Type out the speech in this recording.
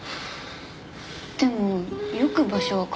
でもよく場所分かったね。